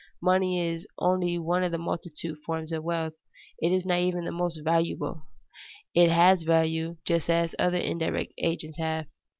Money is only one of a multitude of forms of wealth. It is not even the most "valuable"; it has value just as other indirect agents have.